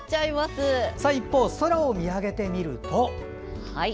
一方、空を見上げてみると。